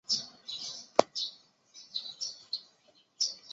隋朝开皇三年废。